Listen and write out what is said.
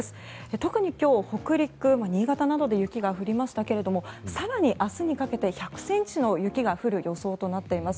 特に今日、北陸、新潟などで雪が降りましたが更に明日にかけて１００ｃｍの雪が降る予想となっています。